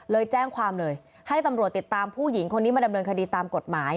เลยแจ้งความเลยให้ตำรวจติดตามผู้หญิงคนนี้มาดำเนินคดีตามกฎหมาย